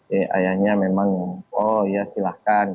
ya ayahnya memang oh ya silahkan